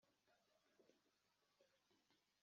wasyaze inyumu zingahe